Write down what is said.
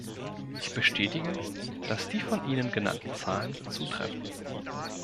Ich bestätige, dass die von Ihnen genannten Zahlen zutreffen.